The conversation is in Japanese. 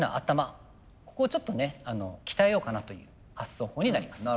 ここをちょっとね鍛えようかなという発想法になります。